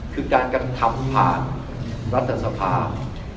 คือการกระทำผ่านรัฐสภา